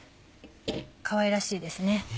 かわいらしいですね。